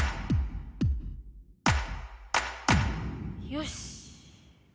よし。